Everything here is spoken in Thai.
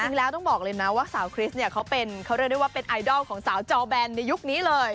จริงแล้วต้องบอกเลยนะว่าสาวคริสเนี่ยเขาเรียกได้ว่าเป็นไอดอลของสาวจอแบนในยุคนี้เลย